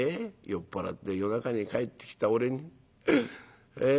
酔っ払って夜中に帰ってきた俺にええ？